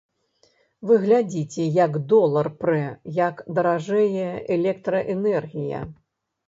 Вы глядзіце, як долар прэ, як даражэе электраэнергія.